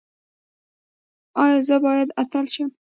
ایا زه باید اتل شم؟